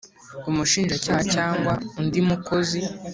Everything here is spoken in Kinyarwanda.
umushinjacyaha cyangwa undi mukozi